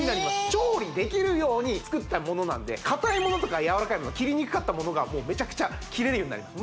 調理できるように作ったものなんでかたいものとかやわらかいもの切りにくかったものがもうメチャクチャ切れるようになります